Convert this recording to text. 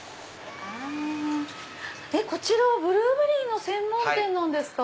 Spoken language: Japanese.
こちらはブルーベリーの専門店なんですか？